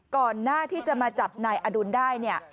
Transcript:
ก่อนหน้าที่จะมาจับนายอดุลได้เนี่ย